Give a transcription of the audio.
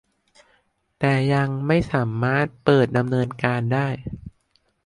แต่ยังไม่สามารถเปิดดำเนินการได้